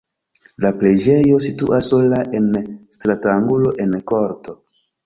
La preĝejo situas sola en stratangulo en korto.